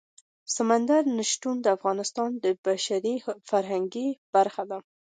سمندر نه شتون د افغانستان د بشري فرهنګ برخه ده.